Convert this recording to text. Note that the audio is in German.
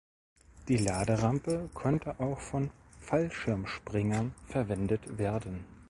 Die Laderampe konnte auch von Fallschirmspringern verwendet werden.